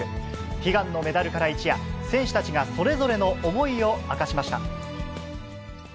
悲願のメダルから一夜、選手たちがそれぞれの思いを明かしました。